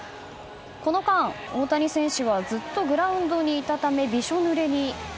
この間、大谷選手はずっとグラウンドにいたためびしょぬれに。